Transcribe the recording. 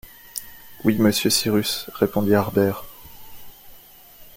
Oui, monsieur Cyrus, répondit Harbert.